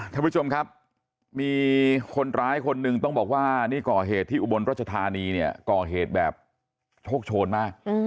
ท่านผู้ชมครับมีคนร้ายคนหนึ่งต้องบอกว่านี่ก่อเหตุที่อุบลรัชธานีเนี่ยก่อเหตุแบบโชคโชนมาก